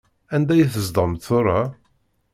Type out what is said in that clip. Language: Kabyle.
Anda i tzedɣemt tura?